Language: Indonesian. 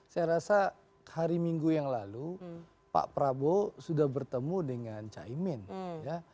saya rasa hari minggu yang lalu pak prabowo sudah bertemu dengan caimin ya